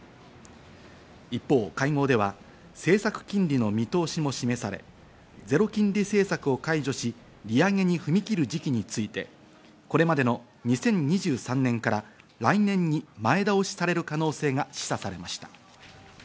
一方、会合では政策金利の見通しも示され、ゼロ金利政策を解除し、利上げに踏み切る時期についてこれまでの２０２３年から来年に前倒しされる可能性が示唆されました。